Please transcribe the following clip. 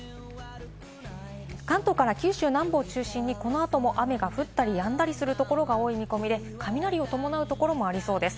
関東から九州南部を中心に、このあとも雨が降ったりやんだりするところが多い見込みで、雷を伴うところもありそうです。